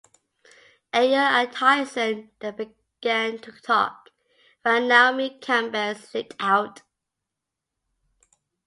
Ayer and Tyson then began to talk, while Naomi Campbell slipped out.